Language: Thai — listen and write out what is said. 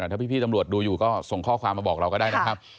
ถ้าพี่ตำรวจดูอยู่ก็ส่งข้อความมาบอกเราก็ได้นะครับ